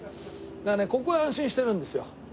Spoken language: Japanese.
だからねここは安心してるんですよ。